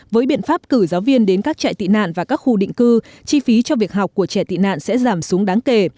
với biện pháp cử giáo viên đến các trại tị nạn và các khu định cư chi phí cho việc học của trẻ tị nạn sẽ giảm xuống đáng kể